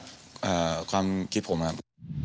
ครับความคิดของผมครับ